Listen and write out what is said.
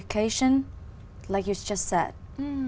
cái gì trong kế hoạch đó